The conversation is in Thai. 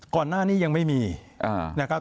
ก่อนหน้านี้ยังไม่มีนะครับ